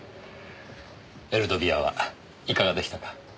エルドビアはいかがでしたか？